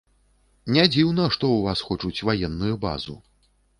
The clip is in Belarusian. Не дзіўна, што ў вас хочуць ваенную базу.